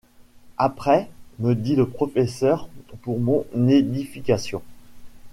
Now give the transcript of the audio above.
Après, » me dit le professeur pour mon édification.